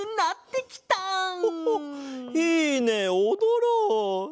ホホッいいねおどろう！